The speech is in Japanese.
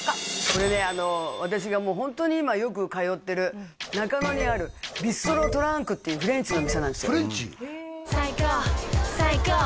これねあの私がもうホントに今よく通ってる中野にあるビストロトランクっていうフレンチのお店なんですよフレンチ？